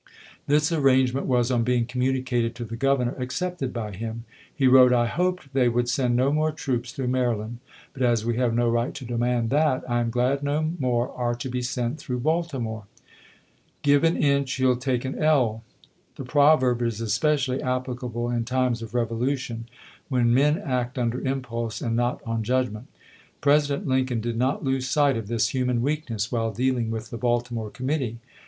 This arrangement was, on being communicated to the Governor, accepted by him. He wrote: "I hoped they would send no more troops through Maryland; but as we have no right to demand that, I am glad no more are to be sent through Baltimore." BALTIMOKE 127 " Give an inch, he '11 take an ell." The proverb chap. vr. is especially applicable in times of revolution, when men act under impulse, and not on judg ment. President Lincoln did not lose sight of this human weakness while dealing with the Baltimore committee.